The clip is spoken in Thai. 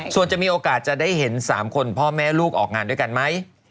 ส่วนจะมีโอกาสจะได้เห็น๓คนพ่อแม่ลูกออกงานด้วยกันไหม